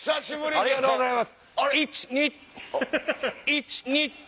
ありがとうございます。